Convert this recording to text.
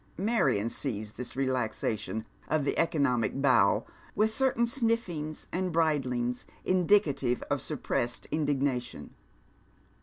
Marion sees this relaxation of the economic bow with certain snifiings and bridlings, indicative of suppressed mdignation.